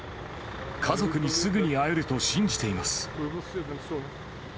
家族にすぐに会えると信じています。